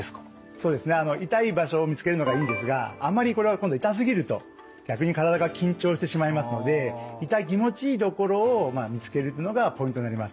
そうですね痛い場所を見つけるのがいいんですがあんまりこれは今度痛すぎると逆に体が緊張してしまいますので痛気持ちいいところを見つけるというのがポイントになります。